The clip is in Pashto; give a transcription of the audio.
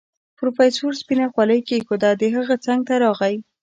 پروفيسر سپينه خولۍ کېښوده د هغه څنګ ته راغی.